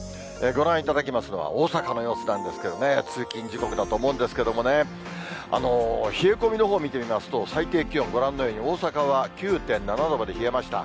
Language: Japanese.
ご覧いただきますのは大阪の様子なんですけれどもね、通勤時刻だと思うんですけれどもね、冷え込みのほう見てみますと、最低気温、ご覧のように大阪は９．７度まで冷えました。